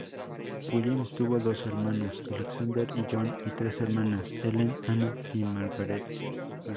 William tuvo dos hermanos: Alexander y John, y tres hermanas: Helen, Anna y Margaret.